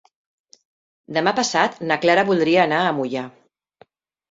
Demà passat na Clara voldria anar a Moià.